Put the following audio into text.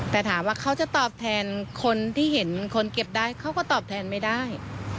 แต่ถามว่าเขาจะตอบแทนคนที่เห็นคนเก็บได้เขาก็ตอบแทนไม่ได้